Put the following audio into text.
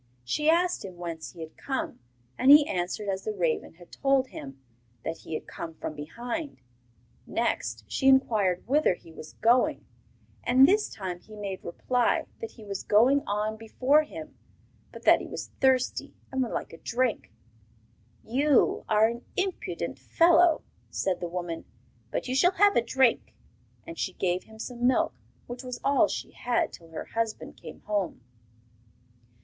She asked him whence he had come, and he answered as the raven had told him, that he came from behind. Next she inquired whither he was going, and this time he made reply that he was going on before him, but that he was thirsty and would like a drink. 'You are an impudent fellow,' said the woman; 'but you shall have a drink.' And she gave him some milk, which was all she had till her husband came home.